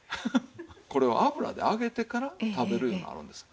これを油で揚げてから食べるいうのがあるんですよ。